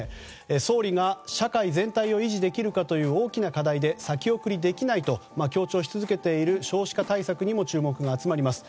総理が社会全体を維持できるかという大きな課題で先送りできないと強調し続けている少子化対策にも注目が集まります。